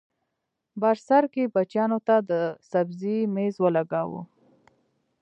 بر سر کې بچیانو ته د سبزۍ مېز ولګاوه